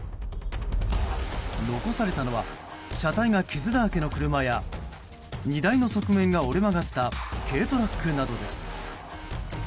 残されたのは車体が傷だらけの車や荷台の側面が折れ曲がった軽トラックなどです。